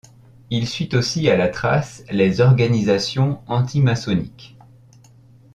Il suit aussi à la trace les organisations antimaçonniques.